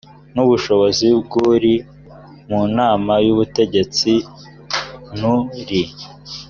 n ubushobozi bw uri mu nama y ubutegetsi n uri